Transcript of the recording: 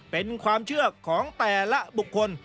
เป็นความเชื่อของแต่ละบุคคล